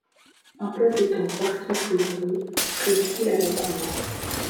En peu de temps Barkilphedro prit pied à la cour.